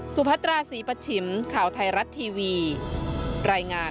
พัตราศรีปัชชิมข่าวไทยรัฐทีวีรายงาน